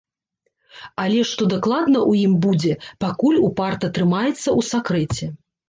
Але, што дакладна ў ім будзе, пакуль упарта трымаецца ў сакрэце.